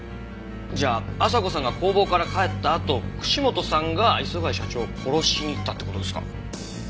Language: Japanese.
じゃあ朝子さんが工房から帰ったあと串本さんが磯貝社長を殺しに行ったって事ですか？